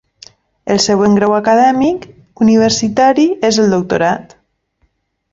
El següent grau acadèmic universitari és el doctorat.